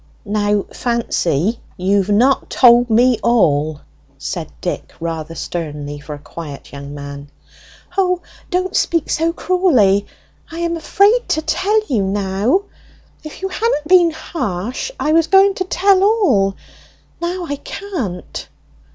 "Now, Fancy, you've not told me all!" said Dick, rather sternly for a quiet young man. "O, don't speak so cruelly! I am afraid to tell now! If you hadn't been harsh, I was going on to tell all; now I can't!"